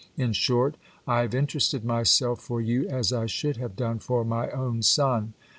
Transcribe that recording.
In short, I have interested myself for you as I should have done for my own son.